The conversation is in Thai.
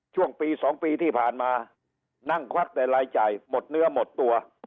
ช่วงปี๒ปีที่ผ่านมานั่งควักแต่รายจ่ายหมดเนื้อหมดตัว